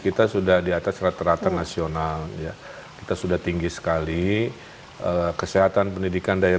kita sudah di atas rata rata nasional ya kita sudah tinggi sekali kesehatan pendidikan daya